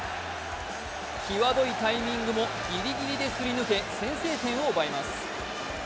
きわどいタイミングもギリギリですり抜け先制点を奪います。